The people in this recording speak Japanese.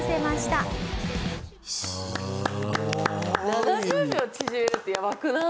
７０秒縮めるってやばくない？